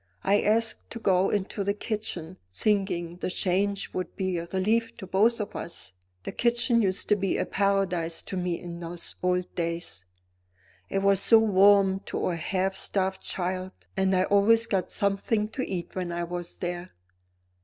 I asked to go into the kitchen, thinking the change would be a relief to both of us. The kitchen used to be a paradise to me in those old days; it was so warm to a half starved child and I always got something to eat when I was there.